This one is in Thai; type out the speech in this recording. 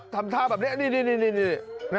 ทำท่าแบบนี้นี่